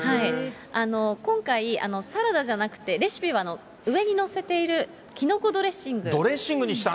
今回、サラダじゃなくて、レシピは上に載せているキノコドレッシング。